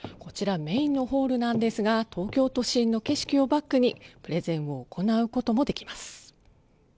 こちらメーンのホールなんですが東京都心の景色をバックにプレゼンを行うこともできます。